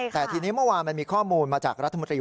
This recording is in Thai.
แต่ทีนี้เมื่อวานมันมีข้อมูลมาจากรัฐมนตรี